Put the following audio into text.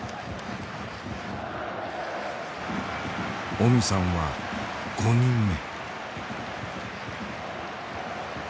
オミさんは５人目。